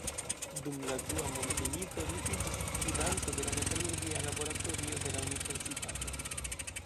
Dum la dua mondmilito, li iĝis gvidanto de la metalurgia laboratorio de la universitato.